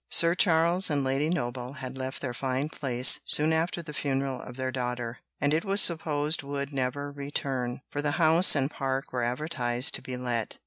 Sir Charles and Lady Noble had left their fine place soon after the funeral of their daughter, and it was supposed would never return; for the house and park were advertised to be let.